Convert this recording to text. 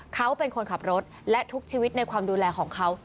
เขาเป็นคนขับรถและทุกชีวิตในความดูแลของเขา